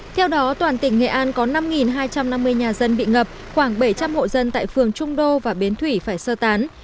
theo đó toàn tỉnh nghệ an có năm hai trăm năm mươi nhà dân bị ngập khoảng bảy trăm linh hộ dân tại phường trung đô và bến thủy phải sơ tán